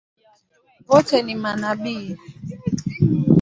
Wote ni manabii?